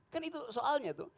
kan itu soalnya tuh